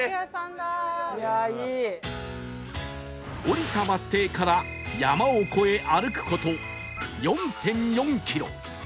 降りたバス停から山を越え歩く事 ４．４ キロ